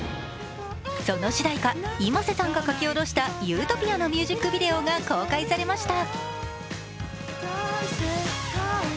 その主題歌、ｉｍａｓｅさんが書き下ろした「ユートピア」のミュージックビデオが公開されました。